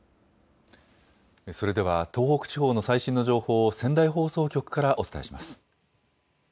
それでは東北地方の最新の情報を仙台放送局からお伝えします。